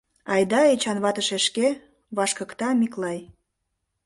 — Айда, Эчан вате шешке, — вашкыкта Миклай.